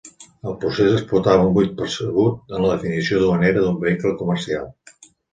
El procés explotava un buit percebut en la definició duanera d'un vehicle comercial.